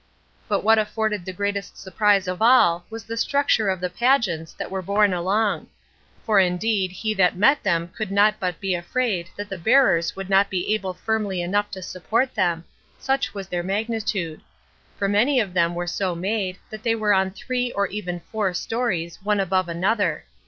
But what afforded the greatest surprise of all was the structure of the pageants that were borne along; for indeed he that met them could not but be afraid that the bearers would not be able firmly enough to support them, such was their magnitude; for many of them were so made, that they were on three or even four stories, one above another.